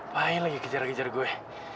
main lagi kejar kejar gue